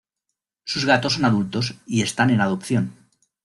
Sus gatos son adultos y están en adopción.